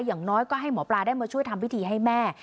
อย่างน้อยก็ให้หมอปลาได้มาช่วยทำพิธีให้แม่